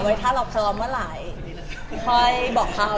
เว้ยถ้าเราพร้อมเวลาค่อยบอกเขา